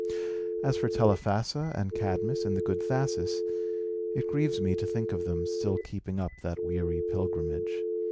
As for Telephassa, and Cadmus, and the good Thasus, it grieves me to think of them, still keeping up that weary pilgrimage.